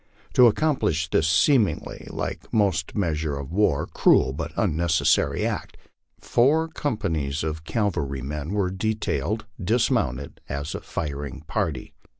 To accomplish this seemingly like most measures of war cruel but necessary act, four companies of cavalrymen were detailed dismounted, as a firing party.